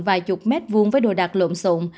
vài chục mét vuông với đồ đạc lộn xộn